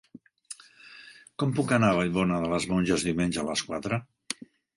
Com puc anar a Vallbona de les Monges diumenge a les quatre?